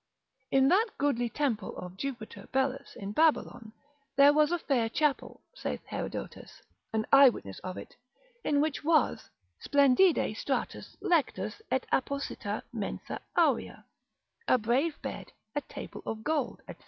In that goodly temple of Jupiter Belus in Babylon, there was a fair chapel, saith Herodotus, an eyewitness of it, in which was splendide stratus lectus et apposita mensa aurea, a brave bed, a table of gold, &c.